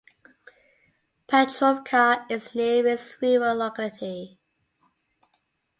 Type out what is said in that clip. Petrovka is the nearest rural locality.